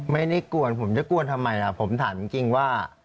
ไม่ได้กวนผมจะกวนทำไมล่ะผมถามจริงว่า